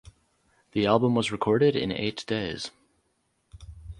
The album was recorded in eight days.